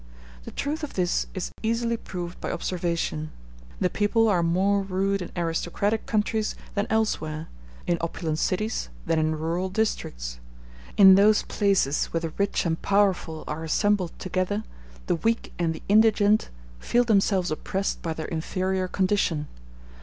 The truth of this is easily proved by observation; the people are more rude in aristocratic countries than elsewhere, in opulent cities than in rural districts. In those places where the rich and powerful are assembled together the weak and the indigent feel themselves oppressed by their inferior condition.